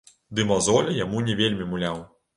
Ды мазоль яму не вельмі муляў.